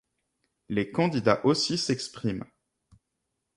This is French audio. Les candidats aussi s'expriment.